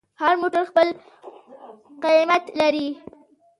هر موټر خپل قیمت لري.